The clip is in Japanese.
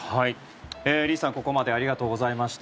リさん、ここまでありがとうございました。